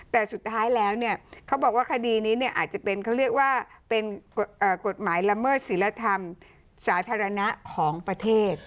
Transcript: แต่สุดท้ายแล้วเนี่ยเขาบอกว่าคดีนี้อาจจะเป็นเขาเรียกว่าเป็นกฎหมายละเมิดศิลธรรมสาธารณะของประเทศ